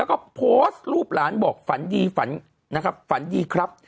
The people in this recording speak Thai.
แล้วก็รูปล้านก็บอกฝันดีฝันดีครับ